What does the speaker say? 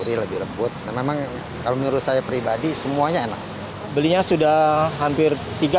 lebih rebut memang kalau menurut saya pribadi semuanya enak belinya sudah hampir tiga